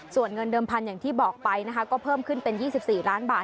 ส่วนเงินเดิมพันอย่างที่บอกไปนะคะก็เพิ่มขึ้นเป็น๒๔ล้านบาท